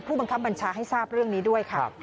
บังคับบัญชาให้ทราบเรื่องนี้ด้วยค่ะ